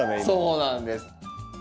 そうなんです。